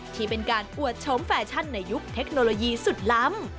ที่เป็นการอวดชมแฟชั่นในยุคเทคโนโลยีสุดล้ำ